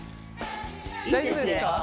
大丈夫ですか？